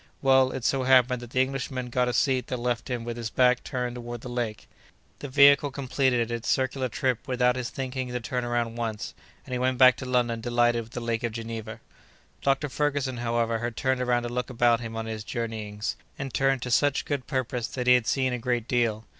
Well, it so happened that the Englishman got a seat that left him with his back turned toward the lake. The vehicle completed its circular trip without his thinking to turn around once, and he went back to London delighted with the Lake of Geneva. Doctor Ferguson, however, had turned around to look about him on his journeyings, and turned to such good purpose that he had seen a great deal.